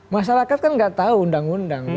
masyarakat kan nggak tahu undang undang